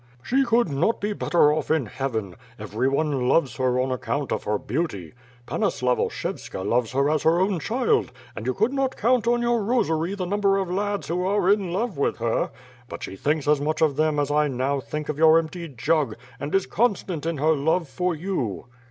"She could not be better off in heaven. Everyone loves her on account of her beauty. Panna Slavoshevska loves her as her own child, and you could not count on your rosary the number of lads who are in love with her. But she thinks as much of them as I now think of your empty jug, and is con stant in her love for you."